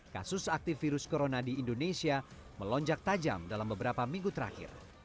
kasus aktif virus corona di indonesia melonjak tajam dalam beberapa minggu terakhir